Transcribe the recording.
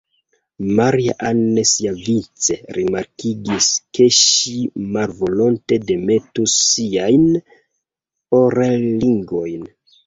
Maria-Ann siavice rimarkigis, ke ŝi malvolonte demetus siajn orelringojn.